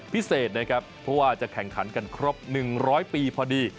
พิเศษนะครับเพราะว่าจะแข่งขันกันครบ๑๐๐ปีพอดี